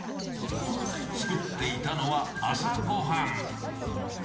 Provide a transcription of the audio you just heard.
作っていたのは朝ごはん。